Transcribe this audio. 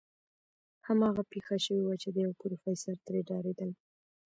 هماغه پېښه شوې وه چې دی او پروفيسر ترې ډارېدل.